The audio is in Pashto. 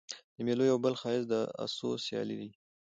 د مېلو یو بل ښایست د آسو سیالي يي.